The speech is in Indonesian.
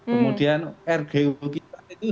kemudian rgu kita itu sudah sudah berhasil